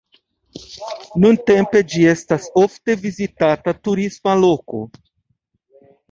Nuntempe ĝi estas ofte vizitata turisma loko.